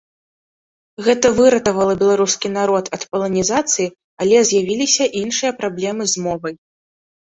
Гэта выратавала беларускі народ ад паланізацыі, але з'явіліся іншыя праблемы з мовай.